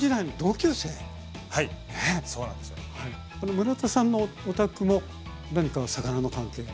村田さんのお宅も何かの魚の関係が？